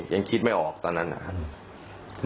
ยังคิดไม่ออกตอนนั้นนะครับ